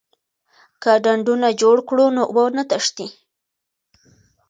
که ډنډونه جوړ کړو نو اوبه نه تښتي.